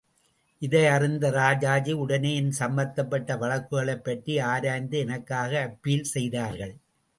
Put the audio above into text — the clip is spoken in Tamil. இதை அறிந்த ராஜாஜி உடனே என் சம்பந்தப்பட்ட வழக்குகளைப் பற்றி ஆராய்ந்து எனக்காக அப்பீல் செய்தார்கள்.